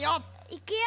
いくよ！